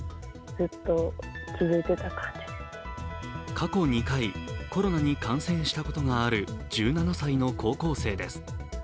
過去２回、コロナに感染したことがある１７歳の高校生です。